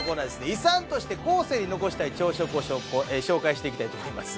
遺産として後世に残したい朝食をしょうこう紹介していきたいと思います